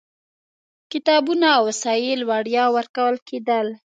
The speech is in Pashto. کتابونه او وسایل وړیا ورکول کېدل.